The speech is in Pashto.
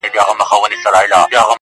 بختور یې چي مي ستونی لا خوږیږي-